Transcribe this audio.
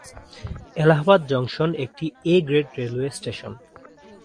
Allahabad junction একটি 'A' grade railway station.